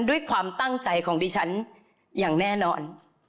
ด้วยความตั้งใจของดิฉันอย่างแน่นอน